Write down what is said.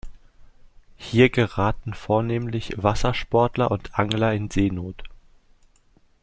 Hier geraten vornehmlich Wassersportler und Angler in Seenot.